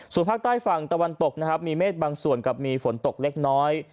ส่วนภาคใต้ฝั่งตะวันตกนะครับมีเมฆบางส่วนกับมีฝนตกเล็กน้อย